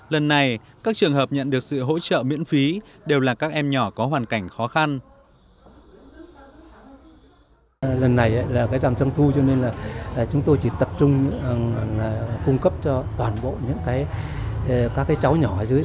lần này các trường hợp nhận được sự hỗ trợ miễn phí đều là các em nhỏ có hoàn cảnh khó khăn